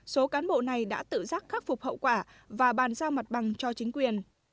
số cán bộ này đã tự giác khắc phục hậu quả và bàn giao mặt bằng cho chính quyền